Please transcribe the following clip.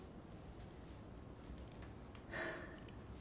ハァ。